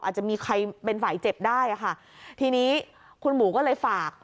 อาจจะมีใครเป็นฝ่ายเจ็บได้ค่ะทีนี้คุณหมูก็เลยฝาก